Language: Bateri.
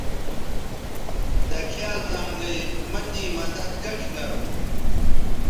دکھیال زنگلئ مہ تیں مدد کش گروں